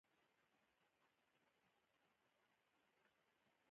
ته به سبا بازار ته ځې؟